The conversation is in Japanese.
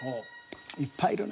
いっぱいいるな。